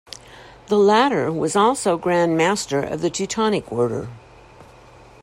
The latter was also Grand Master of the Teutonic Order.